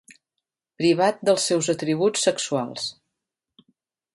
Privat dels seus atributs sexuals.